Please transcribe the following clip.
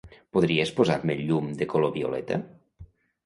Podries posar-me el llum de color violeta?